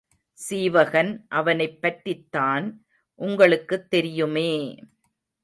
சீவகன் அவனைப் பற்றித்தான் உங்களுக்குத் தெரியுமே!